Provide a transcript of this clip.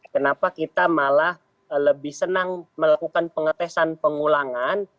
kenapa kita malah lebih senang melakukan pengetesan pengulangan